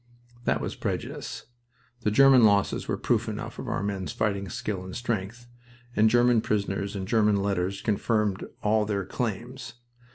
That was prejudice. The German losses were proof enough of our men's fighting skill and strength, and German prisoners and German letters confirmed all their claims.